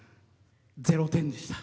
０点でした。